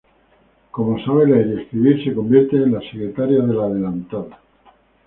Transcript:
Como sabe leer y escribir se convierte en la secretaria de la Adelantada.